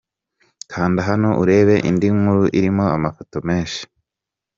Kanda hano urebe indi nkuru irimo amafoto menshi.